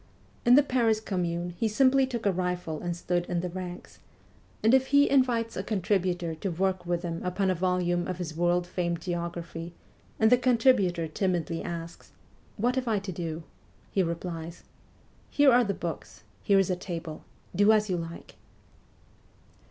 In the Paris Commune he simply took a rifle and stood in the ranks ; and if he invites a contributor to work with him upon a volume of his world famed Geography, and the contributor timidly asks, ' What have I to do ?' he replies :' Here are the books, here is a table. Do as you like.'